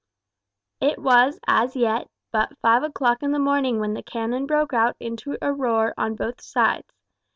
It was as yet but five o'clock in the morning when the cannon broke out into a roar on both sides.